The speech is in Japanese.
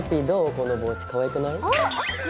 この帽子かわいくない？